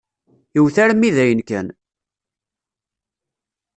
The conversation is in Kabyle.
Iwet armi dayen kan.